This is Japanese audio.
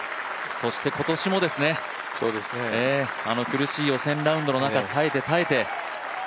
そして今年もですね、あの苦しい予選ラウンドの中、耐えて耐えて。